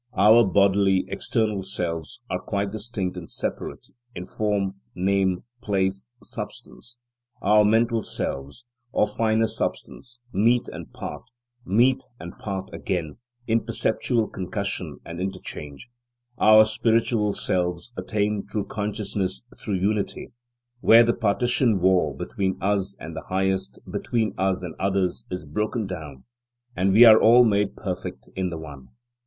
Our bodily, external selves are quite distinct and separate, in form, name, place, substance; our mental selves, of finer substance, meet and part, meet and part again, in perpetual concussion and interchange; our spiritual selves attain true consciousness through unity, where the partition wall between us and the Highest, between us and others, is broken down and we are all made perfect in the One.